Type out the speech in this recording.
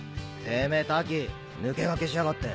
てめぇ瀧抜け駆けしやがって。